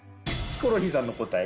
ヒコロヒーさんの答え